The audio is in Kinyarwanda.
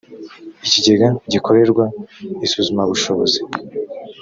ikigega gikorerwa isuzumabushobozi